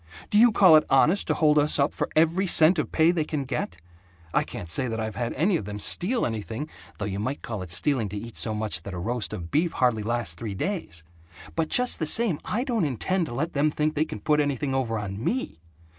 Do you call it honest to hold us up for every cent of pay they can get? I can't say that I've had any of them steal anything (though you might call it stealing to eat so much that a roast of beef hardly lasts three days), but just the same I don't intend to let them think they can put anything over on ME!